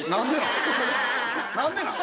何でなん？